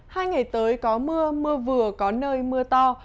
hai ngày tới có mưa mưa vừa có nơi mưa to